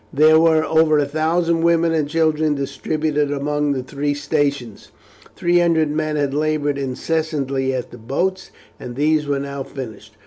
There were over a thousand women and children distributed among the three stations. Three hundred men had laboured incessantly at the boats, and these were now finished.